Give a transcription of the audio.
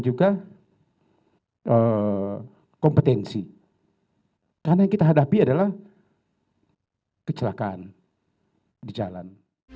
juga kompetensi karena yang kita hadapi adalah kecelakaan di jalan